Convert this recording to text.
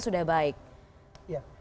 sudah baik ya